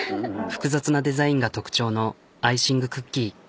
複雑なデザインが特徴のアイシングクッキー。